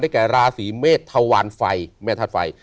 ได้แก่ราศรีเมธธวารไฟแม่ธาตุไฟ